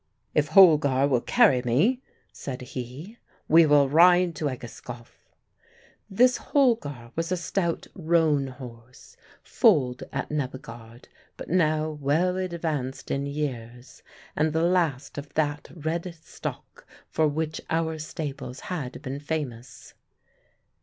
"If Holgar will carry me," said he, "we will ride to Egeskov." This Holgar was a stout roan horse, foaled at Nebbegaard, but now well advanced in years, and the last of that red stock for which our stables had been famous.